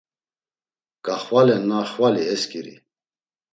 Gaxvalenna xvali e skiri.